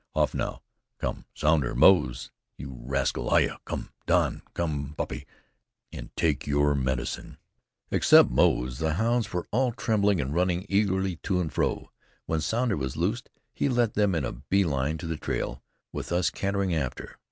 Off now! Come, Sounder; Moze, you rascal, hyah! Come, Don, come, Puppy, and take your medicine." Except Moze, the hounds were all trembling and running eagerly to and fro. When Sounder was loosed, he led them in a bee line to the trail, with us cantering after.